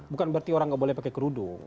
bukan berarti orang nggak boleh pakai kerudung